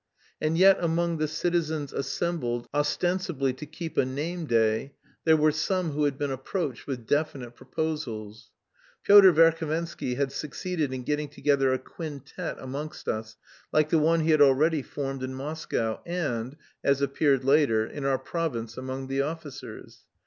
And yet among the citizens assembled ostensibly to keep a name day, there were some who had been approached with definite proposals. Pyotr Verhovensky had succeeded in getting together a "quintet" amongst us like the one he had already formed in Moscow and, as appeared later, in our province among the officers.